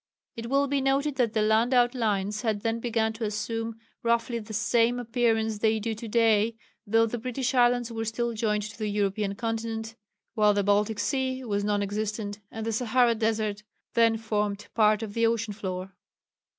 It will be noted that the land outlines had then begun to assume roughly the same appearance they do to day, though the British Islands were still joined to the European continent, while the Baltic Sea was non existent, and the Sahara desert then formed part of the ocean floor.